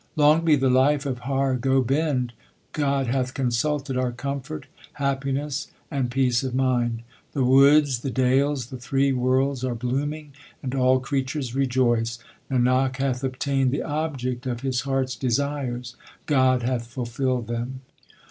Long be the life of Har Gobind ! God hath consulted our comfort, happiness, and peace of mind. The woods, the dales, the three worlds are blooming and all creatures rejoice. Nanak hath obtained the object of his heart s desires ; God hath fulfilled them.